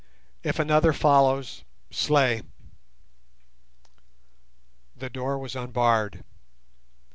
If another follows, slay." The door was unbarred.